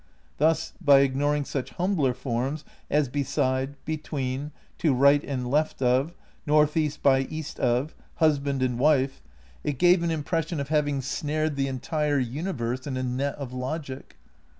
Thus, by ignoring such humbler forms as "be side," "between," "to right and left of," "north east by east of," "husband and wife," it gave an impres 236 THE NEW IDEALISM vi sion of having snared the entire universe in a net of logic.